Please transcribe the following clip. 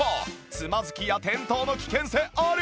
つまずきや転倒の危険性あり